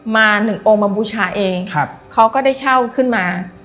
หนึ่งองค์มาบูชาเองครับเขาก็ได้เช่าขึ้นมา